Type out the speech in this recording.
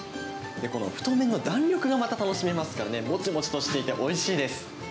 この太麺の弾力がまた楽しめますからね、もちもちとしていておいしいです。